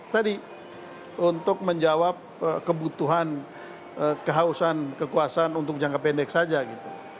tadi untuk menjawab kebutuhan kehausan kekuasaan untuk jangka pendek saja gitu